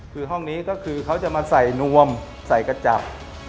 คือห้องนี้ก็คือเขาจะมาใส่นวมใส่กระจับ